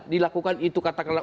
dilakukan itu katakanlah